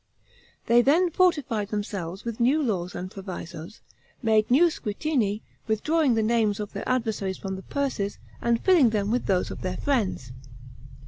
They then fortified themselves with new laws and provisos, made new Squittini, withdrawing the names of their adversaries from the purses, and filling them with those of their friends.